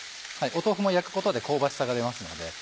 豆腐も焼くことで香ばしさが出ますので。